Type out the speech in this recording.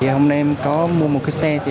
hôm nay em có mua một cái bấm biển xe